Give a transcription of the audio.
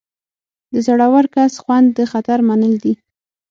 د زړور کس خوند د خطر منل دي.